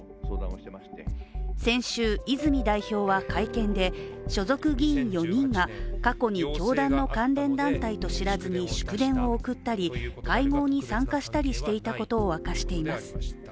先週、泉代表は会見で所属議員４人が過去に教団の関連団体と知らずに祝電を送ったり会合に参加していたりしたことを明かしています。